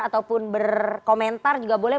ataupun berkomentar juga boleh